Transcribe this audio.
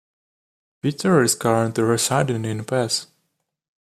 Peter is currently residing in Perth.